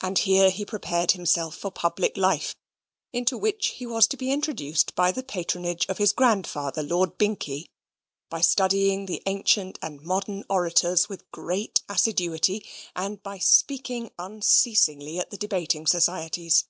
And here he prepared himself for public life, into which he was to be introduced by the patronage of his grandfather, Lord Binkie, by studying the ancient and modern orators with great assiduity, and by speaking unceasingly at the debating societies.